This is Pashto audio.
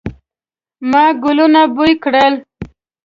ما ګلونه بوی کړل